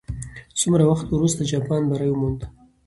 څومره وخت وروسته جاپان بری وموند؟